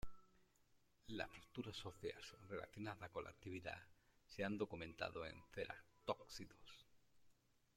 Las fracturas óseas relacionadas con la actividad se han documentado en ceratópsidos.